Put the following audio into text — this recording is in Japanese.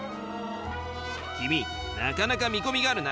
君なかなか見込みがあるな。